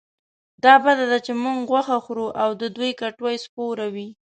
دا بده ده چې موږ غوښه خورو او د دوی کټوه سپوره وي.